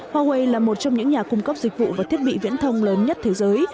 huawei là một trong những nhà cung cấp dịch vụ và thiết bị viễn thông lớn nhất thế giới